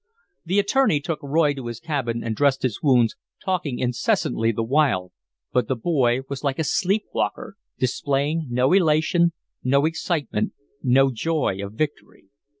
The attorney took Roy to his cabin and dressed his wounds, talking incessantly the while, but the boy was like a sleep walker, displaying no elation, no excitement, no joy of victory.